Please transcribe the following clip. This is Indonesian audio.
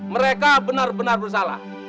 mereka benar benar bersalah